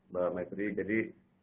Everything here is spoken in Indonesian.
mbak maitri jadi